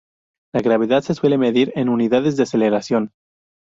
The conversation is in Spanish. La gravedad se suele medir en unidades de aceleración.